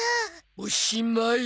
おしまい。